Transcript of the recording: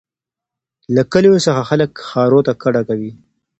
له کلیو څخه خلک ښارونو ته کډه کوي.